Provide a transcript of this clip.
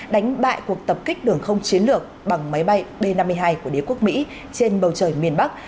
đánh bại cuộc tập kích đường không chiến lược bằng máy bay b năm mươi hai của đế quốc mỹ trên bầu trời miền bắc